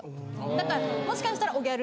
だからもしかしたら汚ギャル。